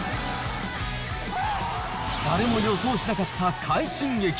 誰も予想しなかった快進撃。